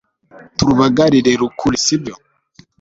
turubagarire rukure sibyo